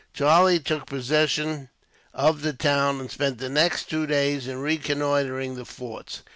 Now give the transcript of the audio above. Charlie took possession of the town, and spent the next two days in reconnoitering the forts.